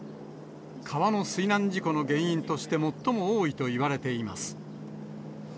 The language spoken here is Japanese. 川の水難事故の原因として最も多いといわれています。